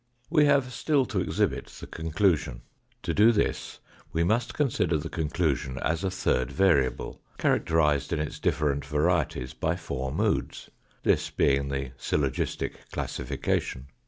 We have still to exhibit the conclusion. To do this we must consider the conclusion as a third variable, character ised in its different varieties by four moods this being the syllogistic classification.